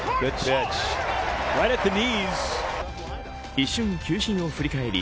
一瞬、球審を振り返り